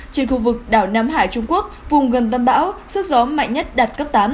trên khu vực đảo nam hải trung quốc vùng gần tâm bão sức gió mạnh nhất đạt cấp tám